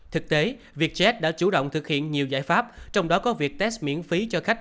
thực tế vietjet đã chủ động thực hiện nhiều giải pháp trong đó có việc test miễn phí cho khách